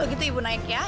kalau gitu ibu naik ya